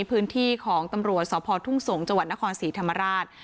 พื้นที่ของตำรวจสพทุ่งสงศ์จังหวัดนครศรีธรรมราช